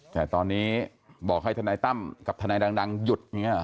แต่ตอนนี้บอกให้ทนายตั้มกับทนายดังหยุดอย่างนี้ห